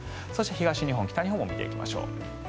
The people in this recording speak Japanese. そして、東日本、北日本も見ていきましょう。